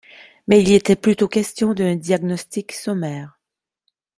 Mais il y était plutôt question d’un diagnostic sommaire.